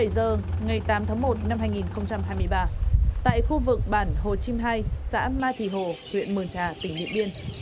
bảy giờ ngày tám tháng một năm hai nghìn hai mươi ba tại khu vực bản hồ chim hai xã mai thị hồ huyện mường trà tỉnh điện biên